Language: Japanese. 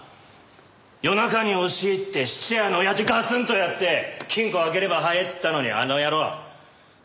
夜中に押し入って質屋の親父ガツンとやって金庫を開ければ早えっつったのにあの野郎。